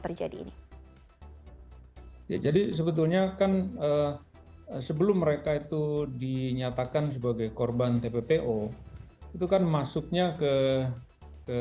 terjadi ini ya jadi sebetulnya kan sebelum mereka itu dinyatakan sebagai korban tppo itu kan masuknya ke